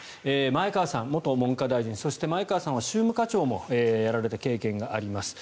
前川さんそして前川さんは宗務課長もやられた経験があります。